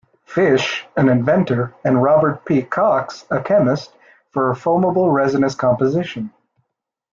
Fish, an inventor, and Robert P. Cox, a chemist, for a foamable resinous composition.